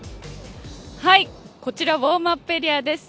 こちらウォームアップエリアです。